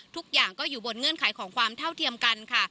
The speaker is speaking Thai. ทุกอย่างก็อยู่บนเงื่อนไขของความเท่าเทียมกันค่ะ